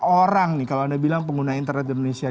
orang nih kalau anda bilang pengguna internet di indonesia